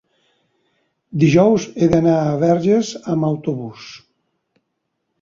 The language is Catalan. dijous he d'anar a Verges amb autobús.